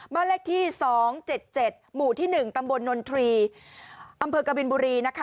บ้านเลขที่๒๗๗หมู่ที่๑ตำบลนนทรีอำเภอกบินบุรีนะคะ